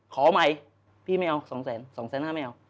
ขอใหม่พี่ไม่เอาสองแสนสองแสนห้าไม่เอา